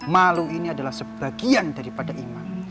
malu ini adalah sebagian daripada iman